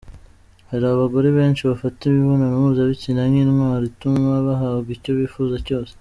Hari abagore benshi bafata imibonano mpuzabitsina nk’intwaro ituma bahabwa icyo bifuza cyose.